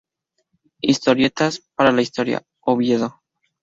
Historietas para la Historia, Oviedo.